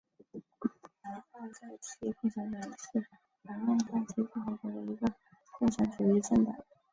南奥塞梯共产党是南奥塞梯共和国的一个共产主义政党。